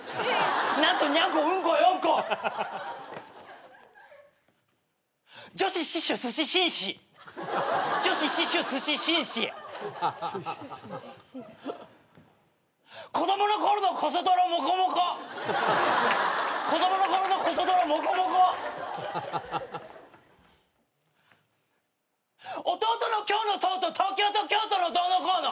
「何とニャンコうんこ４個」「女子死守すし紳士」「女子死守すし紳士」「子供の頃のこそ泥モコモコ」「子供の頃のこそ泥モコモコ」「弟の今日のトート東京と京都のどうのこうの」